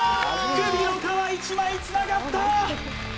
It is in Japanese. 首の皮一枚つながった！